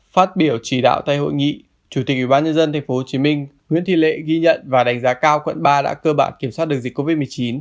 phát biểu chỉ đạo tại hội nghị chủ tịch ubnd tp hcm nguyễn thị lệ ghi nhận và đánh giá cao quận ba đã cơ bản kiểm soát được dịch covid một mươi chín